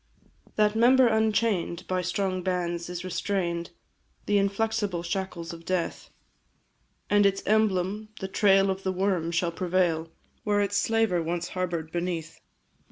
That member unchain'd, by strong bands is restrain'd, The inflexible shackles of death; And, its emblem, the trail of the worm, shall prevail Where its slaver once harbour'd beneath.